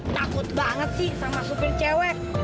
takut banget sih sama supir cewek